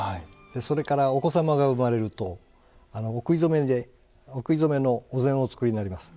それからお子様が生まれるとお食い初めでお食い初めのお膳をお作りになります。